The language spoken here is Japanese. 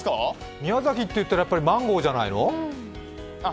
宮崎っていったら、やっぱりマンゴーなんじゃないの？